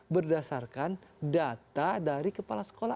berdasarkan data dari kepala sekolah